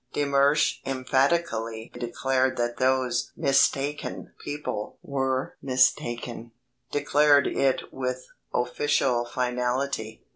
De Mersch emphatically declared that those mistaken people were mistaken, declared it with official finality.